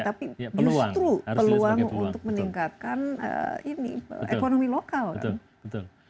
tapi justru peluang untuk meningkatkan ekonomi lokal kan